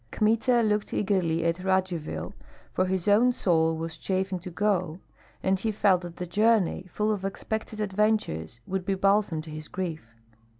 Kmita looked eagerly at Radzivill, for his own soul was chafing to go, and he felt that the journey, full of expected adventures, would be balsam to his grief.